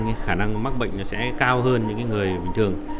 cái khả năng mắc bệnh sẽ cao hơn những người bình thường